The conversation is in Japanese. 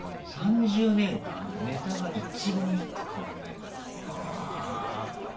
３０年間ネタが一言一句変わらないのよ。